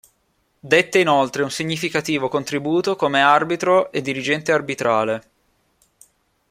Dette inoltre un significativo contributo come arbitro e dirigente arbitrale.